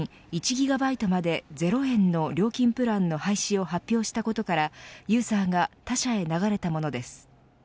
１ギガバイトまでゼロ円の料金プランの廃止を発表したことからユーザーが他社へ流れたものです。